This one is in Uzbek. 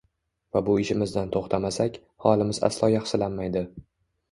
Va bu ishimizdan to‘xtamasak, holimiz aslo yaxshilanmaydi.